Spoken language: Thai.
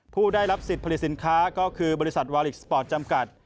ผู้ได้รับสิทธิ์ผลิตสินค้าก็คือบริษัทวาลิกสปอร์ตจำกัด